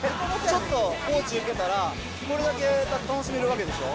ちょっとコーチ受けたら、これだけ楽しめるわけでしょ。